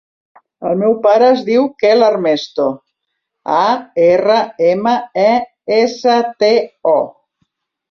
El meu pare es diu Quel Armesto: a, erra, ema, e, essa, te, o.